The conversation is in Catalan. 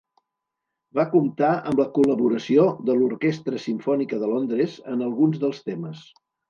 Va comptar amb la col·laboració de l'Orquestra Simfònica de Londres en alguns dels temes.